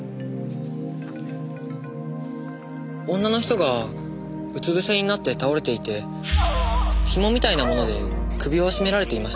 女の人がうつ伏せになって倒れていて紐みたいな物で首を絞められていました。